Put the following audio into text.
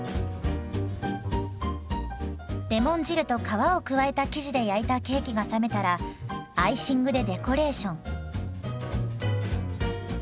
レモン汁と皮を加えた生地で焼いたケーキが冷めたらアイシングでデコレーション。